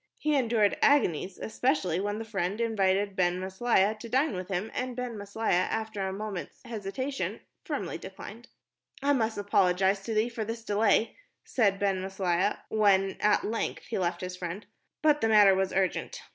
He endured agonies, especially when the friend invited Ben Maslia to dine with him, and Ben Maslia, after a few moment's hesitation, firmly declined. "I must apologize to thee for this delay," said Ben Maslia, when at length he left his friend, "but the matter was urgent.